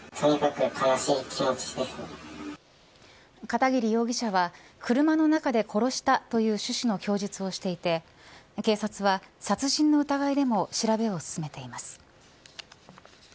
片桐容疑者は車の中で殺したという趣旨の供述をしていて警察は殺人の疑いでも調べを進めています。